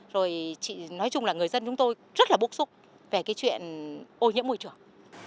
rồi chị nói chung là người dân chúng tôi rất là bức xúc về cái chuyện ô nhiễm môi trường